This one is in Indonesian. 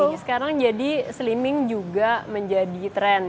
betul sekarang jadi slimming juga menjadi trend